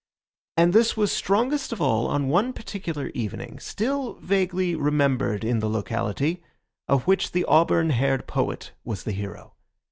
And this was strongest of all on one particular evening, still vaguely remembered in the locality, of which the auburn haired poet was the hero.